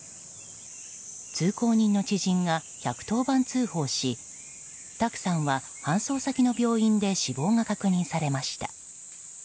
通行人の知人が１１０番通報し卓さんは搬送先の病院で死亡が確認されました。